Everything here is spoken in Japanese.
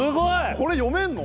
これ読めんの？